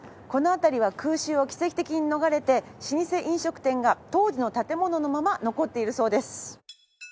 この辺りは空襲を奇跡的に逃れて老舗飲食店が当時の建物のまま残っているそうです。